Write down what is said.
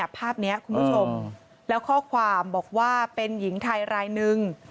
ภาพนี้คุณผู้ชมแล้วข้อความบอกว่าเป็นหญิงไทยรายนึง